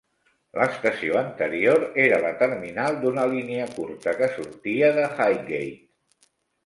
L"estació anterior era la terminal d"una línia curta que sortia de Highgate.